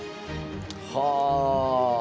はあ！